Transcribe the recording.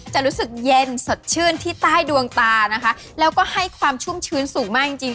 จะรู้สึกเย็นสดชื่นที่ใต้ดวงตานะคะแล้วก็ให้ความชุ่มชื้นสูงมากจริงจริง